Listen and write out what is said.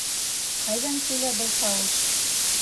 Ҡайҙан килә был тауыш?